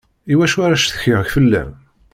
Iwacu ara ccetkiɣ fella-m?